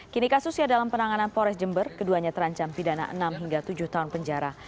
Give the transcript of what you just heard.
kini kasusnya dalam penanganan pores jember keduanya terancam pidana enam hingga tujuh tahun penjara